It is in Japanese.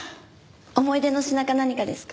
思い出の品か何かですか？